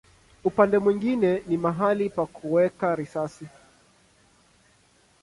Upande mwingine ni mahali pa kuweka risasi.